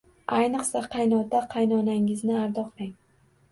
Ayniqsa, qaynota-qaynonangizni ardoqlang.